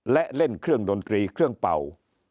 และเล่นเครื่องดนตรีเครื่องเป่า